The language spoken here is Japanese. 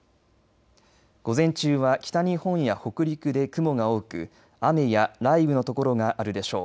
午前中は北日本や北陸で雲が多く雨や雷雨のところがあるでしょう。